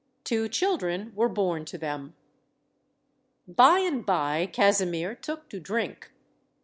Two children were born to them. By and by, Casimir took to drink.